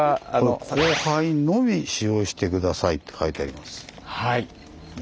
「降灰のみ使用してください」って書いてあります。